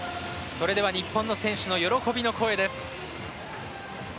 それでは日本の選手の喜びの声です。